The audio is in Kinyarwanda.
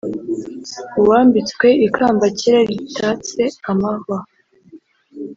Uwambitswe ikamba kera ritatse amahwa